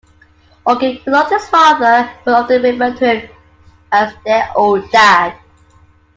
Augie, who loved his father, would often refer to him as dear old Dad.